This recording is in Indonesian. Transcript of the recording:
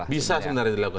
bisa sebenarnya dilakukan